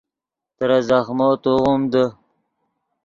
ترے زخمو توغیم دے